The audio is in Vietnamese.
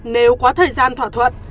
nếu có thời gian thỏa thuận